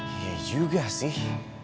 iya juga sih